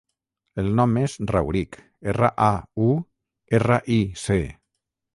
El nom és Rauric: erra, a, u, erra, i, ce.